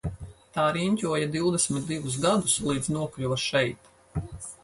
Tā riņķoja divdesmit divus gadus līdz nokļuva šeit.